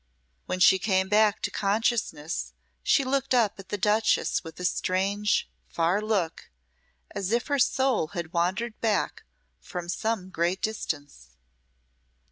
When she came back to consciousness she looked up at the duchess with a strange, far look, as if her soul had wandered back from some great distance.